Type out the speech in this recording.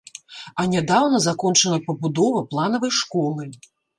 А нядаўна закончана пабудова планавай школы.